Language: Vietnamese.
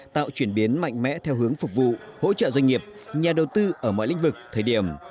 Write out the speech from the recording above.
tạo chuyển biến mạnh mẽ theo hướng phục vụ hỗ trợ doanh nghiệp nhà đầu tư ở mọi lĩnh vực thời điểm